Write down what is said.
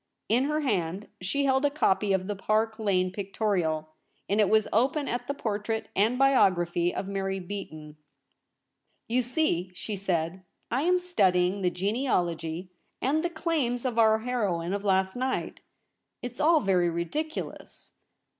In her hand she held a copy of the Park Lane Pictorial, and it was open at the por trait and bio.i^raphy of Mary Beaton. ' You see,' she said, ' I am studying the genealogy and the claims of our heroine of last night. It's all very ridiculous.'